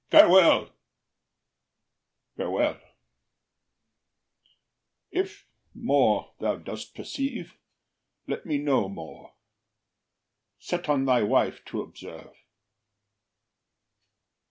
Farewell, farewell: If more thou dost perceive, let me know more; Set on thy wife to observe.